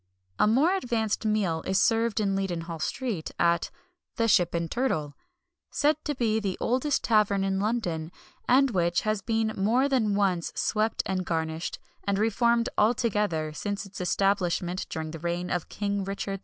A more advanced meal is served in Leadenhall Street, at "The Ship and Turtle," said to be the oldest tavern in London, and which has been more than once swept and garnished, and reformed altogether, since its establishment during the reign of King Richard II.